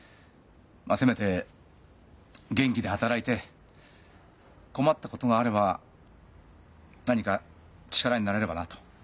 まあせめて元気で働いて困ったことがあれば何か力になれればなとそう思ってんだ。